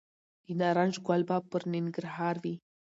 د نارنج ګل به پرننګرهار وي